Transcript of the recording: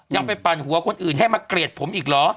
ยังไปปั่นหัวคนอื่นให้มาเกลียดผมอีกเหรอ